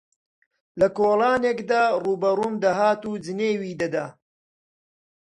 لە کۆڵانێکدا ڕووبەڕووم دەهات و جنێوی دەدا